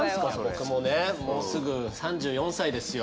僕もねもうすぐ３４歳ですよ。